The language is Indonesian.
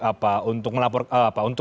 apa untuk melapor apa untuk